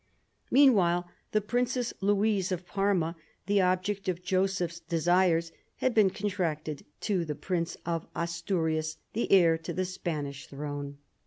Mean while, the Princess Louise of Parma, the object of Joseph's desires, had been contracted to the Prince of Asturias, the heir to the Spanish throne.